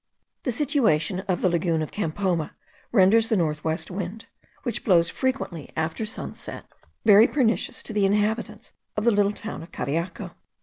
The situation of the lagoon of Campoma renders the north west wind, which blows frequently after sunset, very pernicious to the inhabitants of the little town of Cariaco.